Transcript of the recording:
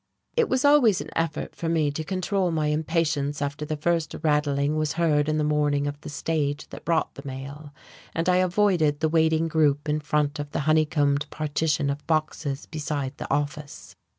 It was always an effort for me to control my impatience after the first rattling was heard in the morning of the stage that brought the mail, and I avoided the waiting group in front of the honeycombed partition of boxes beside the "office."